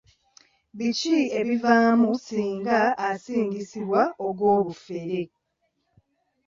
Biki ebivaamu singa asingisibwa ogw'obufere.